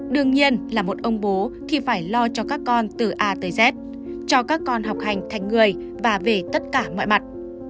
đương nhiên là một ông bố thì phải lo cho các con từ a tới z cho các con học hành thành người và về tất cả mọi mặt